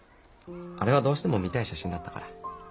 あれはどうしても見たいシャシンだったから。